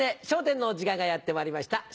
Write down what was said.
『笑点』の時間がやってまいりました。